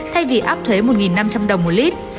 thay vì áp thuế một năm trăm linh đồng mỗi lit